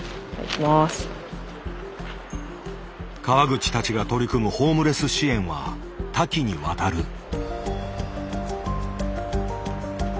川口たちが取り組むホームレス支援は多岐にわたる。